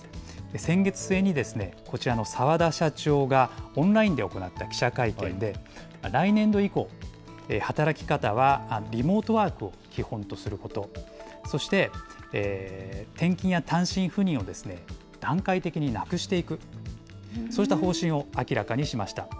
先月末に、こちらの澤田社長が、オンラインで行った記者会見で、来年度以降、働き方はリモートワークを基本とすること、そして転勤や単身赴任を段階的になくしていく、そうした方針を明らかにしました。